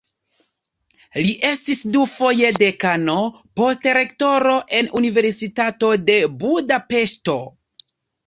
Li estis dufoje dekano, poste rektoro en Universitato de Budapeŝto.